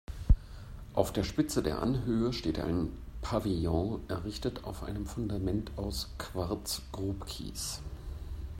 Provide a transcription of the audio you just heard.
Auf der Spitze der Anhöhe steht ein Pavillon, errichtet auf einem Fundament aus Quarz-Grobkies.